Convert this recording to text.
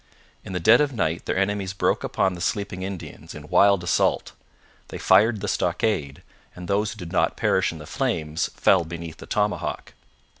In the dead of night their enemies broke upon the sleeping Indians in wild assault; they fired the stockade, and those who did not perish in the flames fell beneath the tomahawk.